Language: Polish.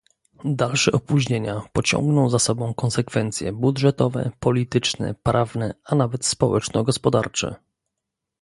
Dalsze opóźnienia pociągną za sobą konsekwencje budżetowe, polityczne, prawne, a nawet społeczno-gospodarcze